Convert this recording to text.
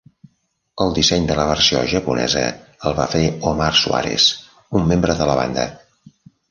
El disseny de la versió japonesa el va fer Omar Swarez, un membre de la banda.